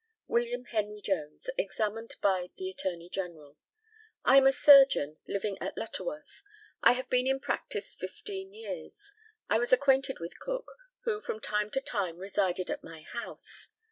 WILLIAM HENRY JONES, examined by the ATTORNEY GENERAL: I am a surgeon, living at Lutterworth. I have been in practice fifteen years. I was acquainted with Cook, who from time to time resided at my house.